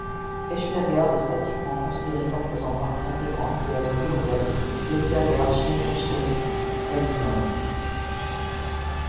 Espergærde est statiquement considérée comme faisant partie intégrante de la zone urbaine d’Espergærde-Snekkersten-Elseneur.